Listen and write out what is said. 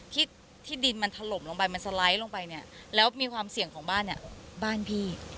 ที่ที่ดินมันถล่มลงไปมันสไลด์ลงไปเนี่ยแล้วมีความเสี่ยงของบ้านเนี่ยบ้านพี่